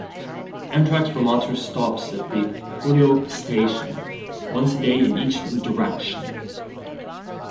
Amtrak's Vermonter stops at the Holyoke station once a day in each direction.